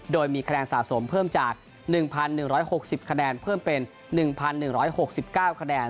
โดยมีคะแนนสะสมเพิ่มจาก๑๑๖๐คะแนนเพิ่มเป็น๑๑๖๙คะแนน